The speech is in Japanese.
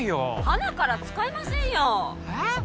はなから使えませんよへっ？